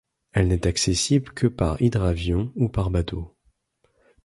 Elle n'est accessible que par hydravion ou par bateau.